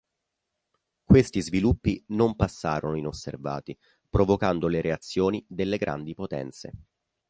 Questi sviluppi non passarono inosservati, provocando le reazioni delle grandi potenze.